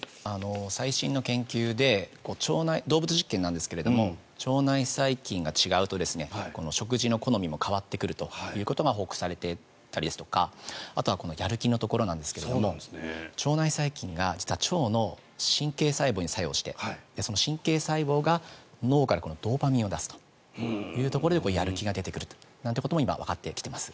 最新の研究で動物実験なんですが腸内細菌が違うと食事の好みも変わってくるということが報告されていたりあとはやる気のところなんですけども腸内細菌が実は腸の神経細胞に作用してその神経細胞が、脳からドーパミンを出すというところでやる気が出てくるなんてことも今、わかってきています。